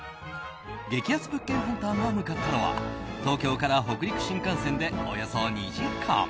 激安物件ハンターが向かったのは東京から北陸新幹線でおよそ２時間。